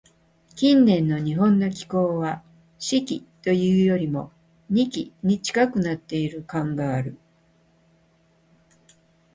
近年の日本の気候は、「四季」というよりも、「二季」に近くなっている感がある。